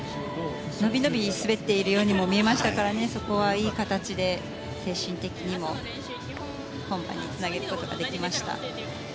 のびのび滑っているようにも見えましたからそこはいい形で精神的にも今回につなげることができました。